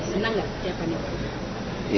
senang gak siapa nih pak